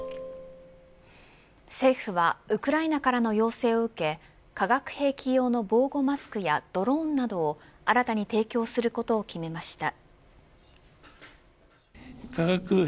政府はウクライナからの要請を受け化学兵器用の防護マスクやドローンなどを新たに提供することを決めました。